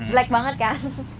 jelek banget kan